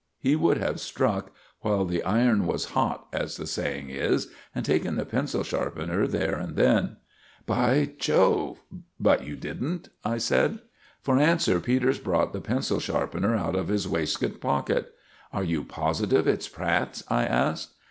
Me would have struck while the iron was hot, as the saying is, and taken the pencil sharpener there and then." "By Jove! But you didn't?" I said. For answer Peters brought the pencil sharpener out of his waistcoat pocket. "Are you positive it's Pratt's?" I asked.